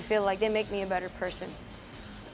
saya merasa mereka membuat saya menjadi orang yang lebih baik